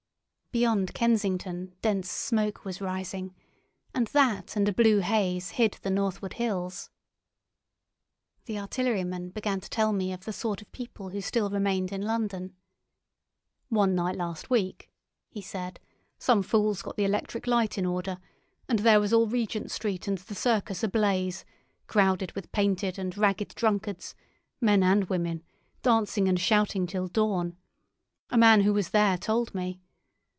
Beyond Kensington dense smoke was rising, and that and a blue haze hid the northward hills. The artilleryman began to tell me of the sort of people who still remained in London. "One night last week," he said, "some fools got the electric light in order, and there was all Regent Street and the Circus ablaze, crowded with painted and ragged drunkards, men and women, dancing and shouting till dawn. A man who was there told me.